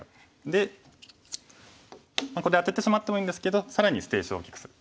でここでアテてしまってもいいんですけど更に捨て石を大きくする。